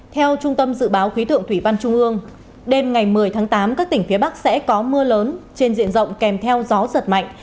theo trung tâm dự báo khí tượng thủy văn trung ương đêm ngày một mươi tháng tám các tỉnh phía bắc sẽ có mưa lớn trên diện rộng kèm theo gió giật mạnh